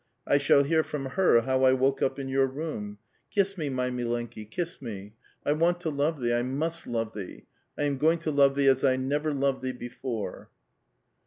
I shall hear from her how I woke up in your room. Kiss me, my mllenkiy kiss me. I want to love thee ; I must love thee. I am going to love thee as I never loved thee before."